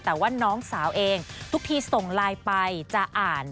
แต่ว่าน้องสาวเองทุกทีส่งไลน์ไปจะอ่าน